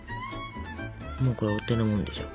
もうこれお手のもんでしょ。